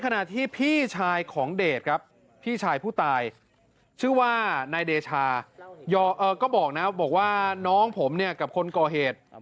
ในเดชน์ก็บอกนะบอกว่าน้องผมเนี่ยกับคนก่อเหตุ